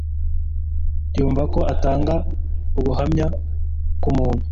Yumva ko atanga ubuhamya kumuntu